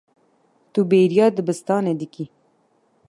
Tu bêriya dibistanê dikî.